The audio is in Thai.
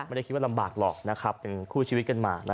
ไม่ได้คิดว่าลำบากหรอกนะครับเป็นคู่ชีวิตกันมา